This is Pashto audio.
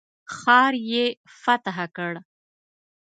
ښار یې فتح کړ.